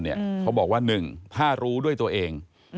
เขาบอกว่า๑ถ้ารู้ด้วยตัวเอง